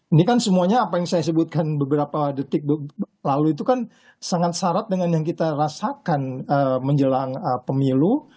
ini kan semuanya apa yang saya sebutkan beberapa detik lalu itu kan sangat syarat dengan yang kita rasakan menjelang pemilu